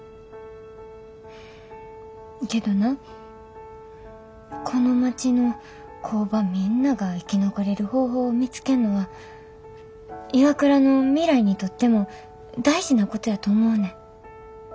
けどなこの町の工場みんなが生き残れる方法を見つけんのはＩＷＡＫＵＲＡの未来にとっても大事なことやと思うねん。